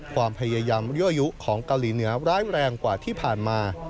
ความพยายามยั่วยุของเกาหลีเหนือร้ายแรงกว่าที่ผ่านมา